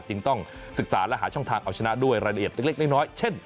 จึงต้องศึกษาและหาช่องทางเอาชนะด้วยรายละเอียดเล็กน้อยเช่น